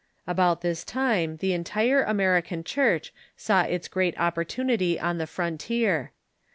About this time the entire American Church saw its great opportunity on the frontier.